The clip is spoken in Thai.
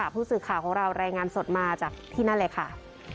ผู้สื่อข่าวของเรารายงานสดมาจากที่นั่นเลยค่ะ